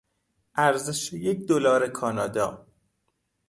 ارزش یک دلار کانادا